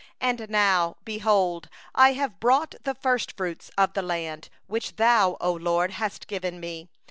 10And now, behold, I have brought the first of the fruit of the land, which Thou, O LORD, hast given me.